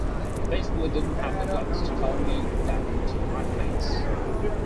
They basically didn't have the guts to tell me that to my face...